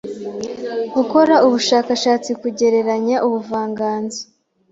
gukora ubushakashatsi kugereranya ubuvanganzo